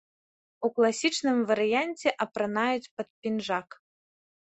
У класічным варыянце апранаюць пад пінжак.